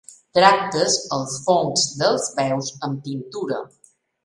Tractes els fongs dels peus amb tintura.